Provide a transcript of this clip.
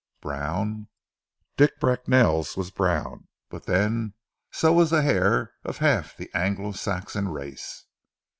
Brown! Dick Bracknell's was brown, but then so was the hair of half the Anglo Saxon race!